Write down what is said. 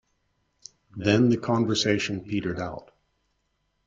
Then the conversation petered out.